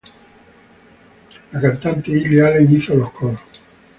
La cantante Lily Allen participó con los coros.